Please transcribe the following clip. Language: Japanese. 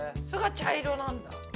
それが茶色なんだ。